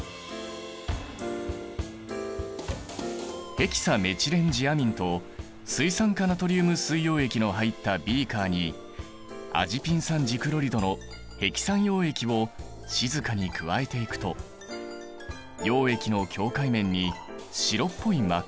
ヘキサメチレンジアミンと水酸化ナトリウム水溶液の入ったビーカーにアジピン酸ジクロリドのヘキサン溶液を静かに加えていくと溶液の境界面に白っぽい膜ができる。